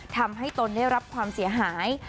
ทำให้ตนได้รับความเสียหาย